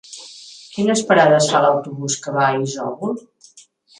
Quines parades fa l'autobús que va a Isòvol?